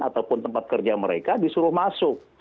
ataupun tempat kerja mereka disuruh masuk